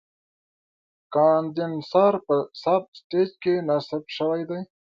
کاندنسر په سب سټیج کې نصب شوی دی.